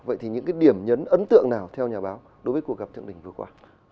vậy thì những điểm nhấn ấn tượng nào theo nhà báo đối với cuộc gặp thượng đình vừa qua